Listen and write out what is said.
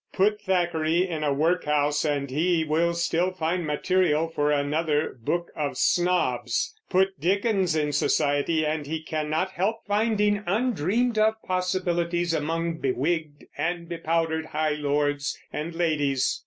Put Thackeray in a workhouse, and he will still find material for another Book of Snobs; put Dickens in society, and he cannot help finding undreamed of possibilities among bewigged and bepowdered high lords and ladies.